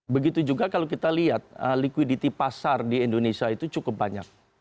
begitu juga kalau kita lihat liquiditas pasar di indonesia itu cukup banyak